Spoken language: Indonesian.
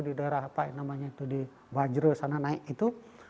di daerah apa namanya itu di bajro sana naik itu